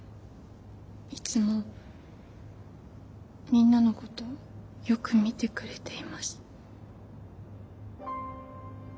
いつもみんなのことをよく見てくれています。